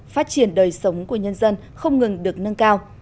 phát triển đời sống của nhân dân không ngừng được nâng cao